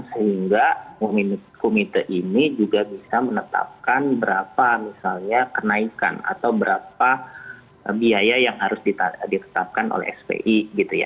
sehingga komite ini juga bisa menetapkan berapa misalnya kenaikan atau berapa biaya yang harus ditetapkan oleh spi